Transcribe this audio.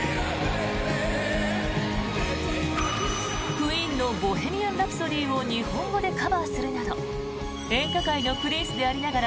クイーンの「ボヘミアン・ラプソディ」を日本語でカバーするなど演歌界のプリンスでありながら